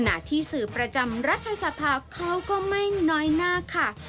ที่สื่อประจำรัฐสภาเขาก็ไม่น้อยหน้าค่ะ